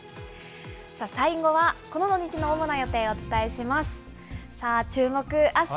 最後はこの土日の主な予定をお伝えします。